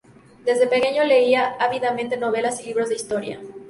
Desde pequeño leía ávidamente novelas y libros de historia.